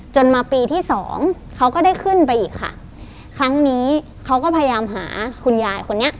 มาปีที่สองเขาก็ได้ขึ้นไปอีกค่ะครั้งนี้เขาก็พยายามหาคุณยายคนนี้